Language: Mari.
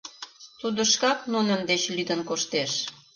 Тудо шкак нунын деч лӱдын коштеш.